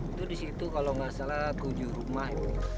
itu di situ kalau nggak salah tujuh rumah